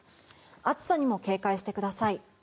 暑さにも警戒してください。